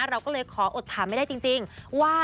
เราก็เลยขออดถามไม่ได้จริงว่า